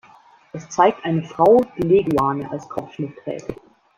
Es zeigt eine Frau, die Leguane als Kopfschmuck trägt.